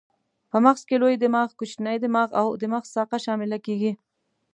په مغز کې لوی دماغ، کوچنی دماغ او د مغز ساقه شامله کېږي.